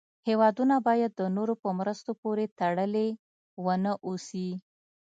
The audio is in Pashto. هېوادونه باید د نورو په مرستو پورې تړلې و نه اوسي.